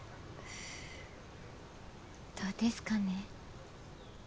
どうですかね。